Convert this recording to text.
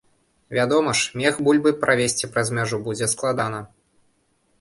Вядома ж, мех бульбы правезці праз мяжу будзе складана.